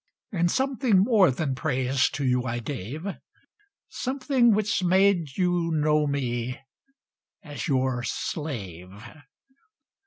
And something more than praise to you I gave— Something which made you know me as your slave.